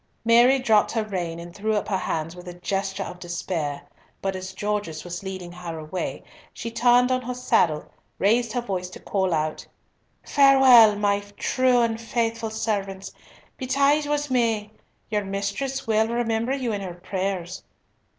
Mary dropped her rein and threw up her hands with a gesture of despair, but as Gorges was leading her away, she turned on her saddle, and raised her voice to call out, "Farewell, my true and faithful servants! Betide what may, your mistress will remember you in her prayers.